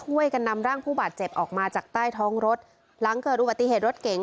นำร่างผู้บาดเจ็บออกมาจากใต้ท้องรถหลังเกิดอุบัติเหตุรถเก๋ง